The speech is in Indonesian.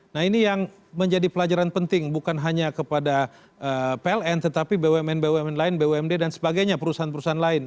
nah ini yang menjadi pelajaran penting bukan hanya kepada pln tetapi bumn bumn lain bumd dan sebagainya perusahaan perusahaan lain